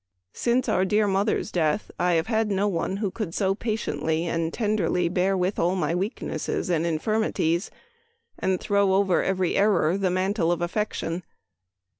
Since our dear mother's death I have had no one who could so patiently and tenderly bear with all my weak nesses and infirmities, and throw over every error the mantle of affection.